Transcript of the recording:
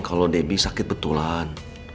kalau debbie sakit betulan